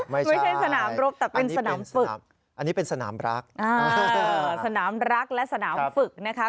ไม่ใช่สนามรบแต่เป็นสนามฝึกอันนี้เป็นสนามรักสนามรักและสนามฝึกนะคะ